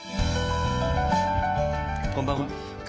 こんばんは。